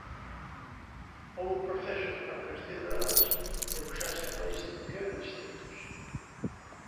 Houbo procesos para que os cidadáns debuxasen unha distribución en distritos.